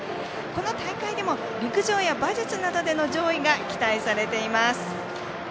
この大会でも陸上や馬術などでの上位が期待されています。